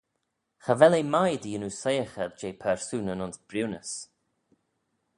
Cha vel eh mie dy yannoo soiaghey jeh persoonyn ayns briwnys.